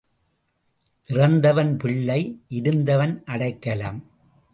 இறந்தவன் பிள்ளை இருந்தவன் அடைக்கலம்.